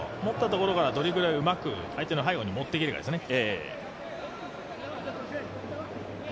ところからどれぐらいうまく相手の背後に持っていけるかですよね。